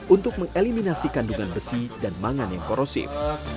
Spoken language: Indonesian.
untuk mengeliminasi kandungan besi dan mangan yang korosif